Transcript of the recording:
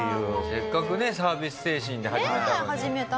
せっかくサービス精神で始めたのに。